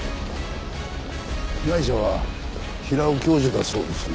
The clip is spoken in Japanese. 被害者は平尾教授だそうですね。